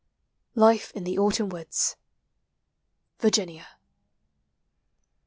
LIFE IX THE AUTUMN WOODS. [VIRGINIA.